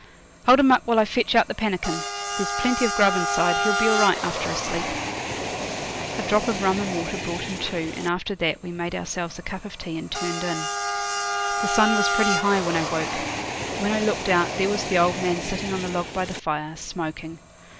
'Hold him up while I fetch out the pannikin. There's plenty of grub inside. He'll be all right after a sleep.' A drop of rum and water brought him to, and after that we made ourselves a cup of tea and turned in. The sun was pretty high when I woke. When I looked out there was the old man sitting on the log by the fire, smoking.